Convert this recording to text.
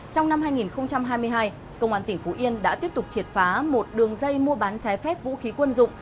trong năm hai nghìn hai mươi hai công an tỉnh phú yên đã tiếp tục triệt phá một đường dây mua bán trái phép vũ khí quân dụng